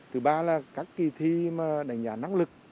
thứ ba là các kỳ thi mà đánh giá năng lực